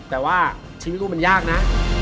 แต่ว่าชีวิตลูกมันยากนะ